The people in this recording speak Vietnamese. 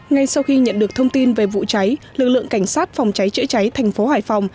ngay sau khi nhận được thông tin về vụ cháy lực lượng cảnh sát phòng cháy chữa cháy thành phố hải phòng